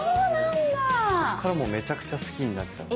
そっからもうめちゃくちゃ好きになっちゃって。